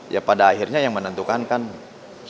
ya pada akhirnya yang menentukan kan